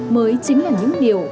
mới chính là những điều